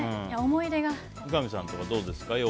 三上さんとかどうですか？